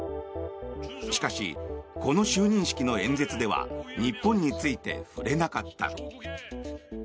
しかし、この就任式の演説では日本について触れなかった。